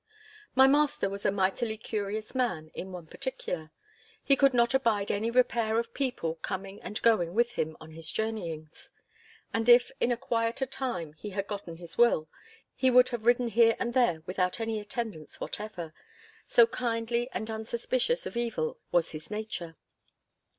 My master was a mightily curious man in one particular. He could not abide any repair of people coming and going with him on his journeyings. And if in a quieter time he had gotten his will, he would have ridden here and there without any attendance whatever—so kindly and unsuspicious of evil was his nature.